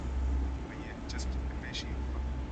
چې هغه یې هم چک کړي.